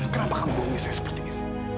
kenapa kamu bohongin saya seperti ini